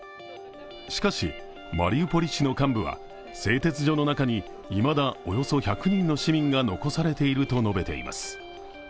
しかし、マリウポリ市の幹部は製鉄所の中にいまだおよそ１００人の市民が残されていると述べています。